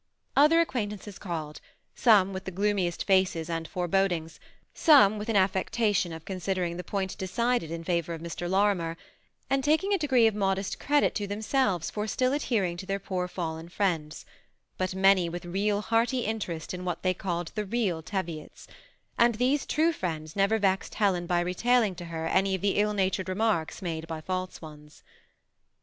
Other acquaintances called, some with the gloomiest faces and forebodings ; some with an affectation of considering the point de cided in faTor of Mr. Lorimer, and taking a degree of modest credit to themselves, for still adhering to their poor fallen friends ; but many with a real, hearty in terest, in what they called the real Teviots ; and these true friends never vexed Helen by retailing to her any of the ill natured remarks made by the false ones.